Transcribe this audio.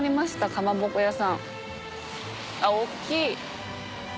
かまぼこ屋さんあっおっきい。